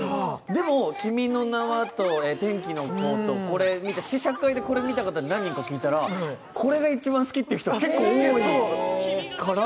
でも「君の名は」と「天気の子」と、これを見て、試写会で見た方に聞いたらこれが一番好きっていう人が結構多いから。